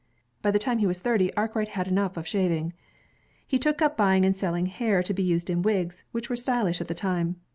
By the time he was thirty, Arkwright had enough of shaving. He took up buying and selling hair to be used in wigs, which were stylish at the time.